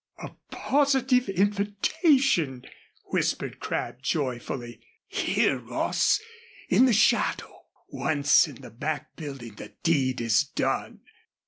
"A positive invitation," whispered Crabb, joyfully. "Here, Ross; in the shadow. Once on the back building the deed is done.